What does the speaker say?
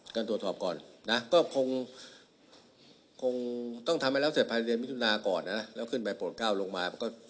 การตรวจสอบก่อนนะก็คงต้องทำให้แล้วเสร็จภายในเดือนมิถุนาก่อนนะแล้วขึ้นไปโปรดก้าวลงมา